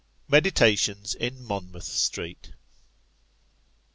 MEDITATIONS IN MONMOUTH STREET.